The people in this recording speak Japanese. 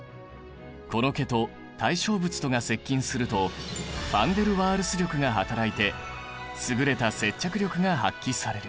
この毛と対象物とが接近するとファンデルワールス力が働いて優れた接着力が発揮される。